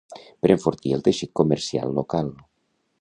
Per enfortir el teixit comercial local.